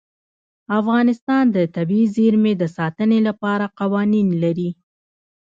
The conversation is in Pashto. افغانستان د طبیعي زیرمې د ساتنې لپاره قوانین لري.